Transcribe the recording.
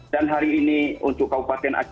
dan hari ini untuk kabupaten aceh lombok